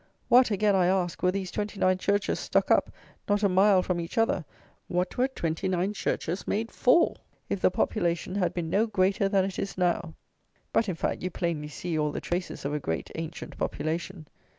What, again, I ask, were these twenty nine churches stuck up, not a mile from each other; what were twenty nine churches made for, if the population had been no greater than it is now? But, in fact, you plainly see all the traces of a great ancient population.